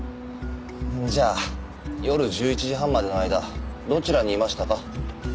じゃあ夜１１時半までの間どちらにいましたか？